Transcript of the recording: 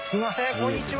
こんにちは。